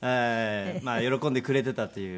まあ喜んでくれていたという。